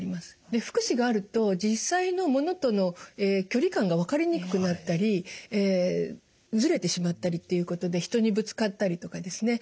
で複視があると実際の物との距離感が分かりにくくなったりずれてしまったりっていうことで人にぶつかったりとかですね